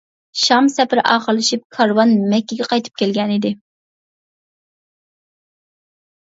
شام سەپىرى ئاخىرلىشىپ كارۋان مەككىگە قايتىپ كەلگەنىدى.